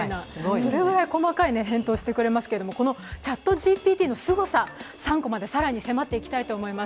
それくらい細かい返答をしてくれますけれども、ＣｈａｔＧＰＴのすごさ、３コマで更に迫っていきたいと思います。